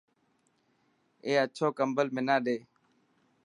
اي اڇو ڪمبل منا ڏي.